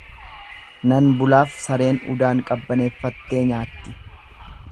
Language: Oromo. Nan bulaaf sareen udaan qabbaneeffattee nyaatti.